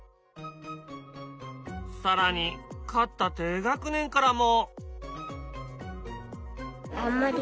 更に勝った低学年からも。